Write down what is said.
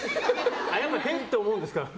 やっぱり、へ？って思うんですか。